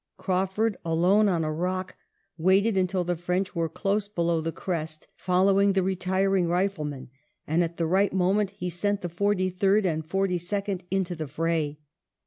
Craufurd, alone on a rock, waited until the French were close below the crest, following the retiring riflemen, and at the right moment he sent the Forty third and Fifty second into the fray.